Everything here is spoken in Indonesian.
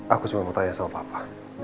aku semua mau tanya sama papa